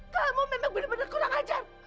kamu memang benar benar kurang ajar